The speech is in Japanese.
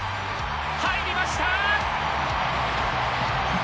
入りました！